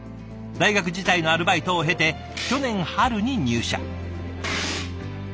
大学時代のアルバイトを経て去年春に入社。